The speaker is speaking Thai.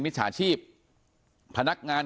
จฉาชีพพนักงาน